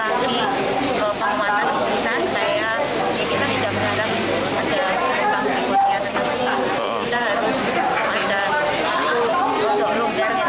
jadi komponen komponen itu sudah dipakai dan siap selama selama